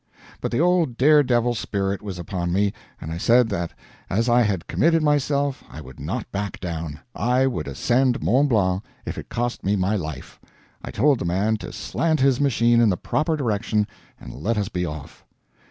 But the old daredevil spirit was upon me, and I said that as I had committed myself I would not back down; I would ascend Mont Blanc if it cost me my life. I told the man to slant his machine in the proper direction and let us be off.